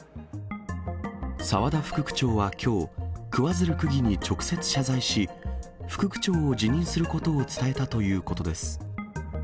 澤田副区長はきょう、桑水流区議に直接謝罪し、副区長を辞任することを伝えたということです。